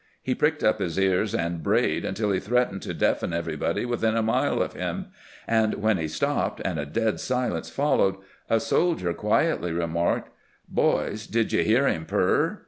He pricked up his ears and brayed until he threatened to deafen every body within a mile of him ; and when he stopped, and a dead silence followed, a soldier quietly remarked, 'Boys, did you hear him purr?'